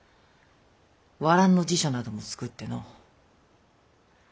和蘭の辞書なども作っての。